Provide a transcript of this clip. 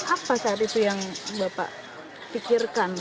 apa saat itu yang bapak pikirkan